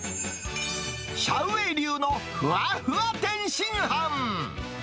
シャウ・ウェイ流のふわふわ天津飯。